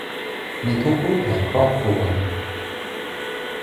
ในทุกรูปแบบครอบครัว